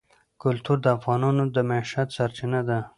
کلتور د افغانانو د معیشت سرچینه ده.